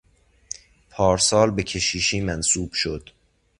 پارسال به کشیشی منصوب شد.